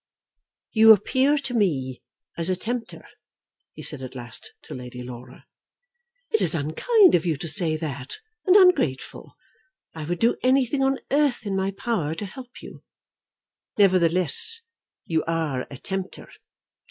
"You appear to me as a tempter," he said at last to Lady Laura. "It is unkind of you to say that, and ungrateful. I would do anything on earth in my power to help you." "Nevertheless you are a tempter."